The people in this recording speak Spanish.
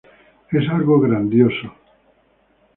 Es algo grandioso.